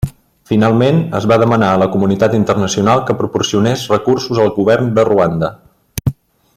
Finalment, es va demanar a la comunitat internacional que proporcionés recursos al govern de Ruanda.